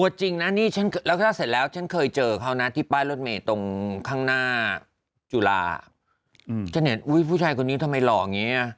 บุหรี่อะไรอย่างนี้อันนี้อะไรเนี่ย